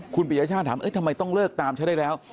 คุณปิยชาติถามทำไมต้องเลิกตามฉันได้แล้ว